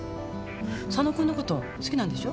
佐野君のこと好きなんでしょ？